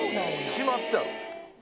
しまってあるんです。